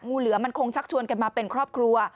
งูเหลือมันคงชักชวนกันมาเป็นครอบครัว